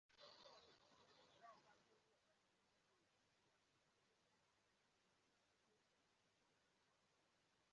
Na àkpàkwùrù amụ ndị bụ óké